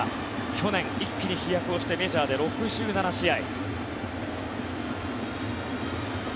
去年、一気に飛躍をしてメジャーで６７試合。